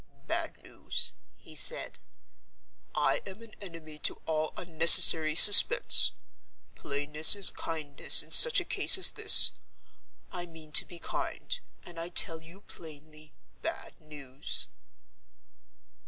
"Bad news," he said. "I am an enemy to all unnecessary suspense. Plainness is kindness in such a case as this. I mean to be kind—and I tell you plainly—bad news."